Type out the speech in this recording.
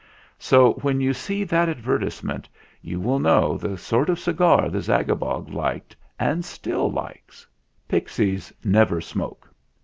So, when you see that advertisement, you will know the sort of cigar the Zagabog liked and still likes. Pixies never smoke.